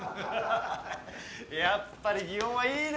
やっぱり祇園はいいね。